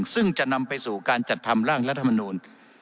ซึ่งจะนำไปสู่การจัดทำร่างรัฐมนูล